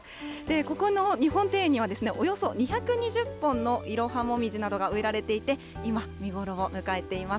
ここの日本庭園には、およそ２２０本のイロハモミジなどが植えられていて、今、見頃を迎えています。